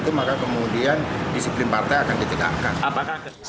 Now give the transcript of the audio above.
kalau tidak ada rekom itu maka kemudian disiplin partai akan ditinggalkan